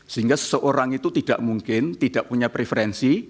sehingga seseorang itu tidak mungkin tidak punya preferensi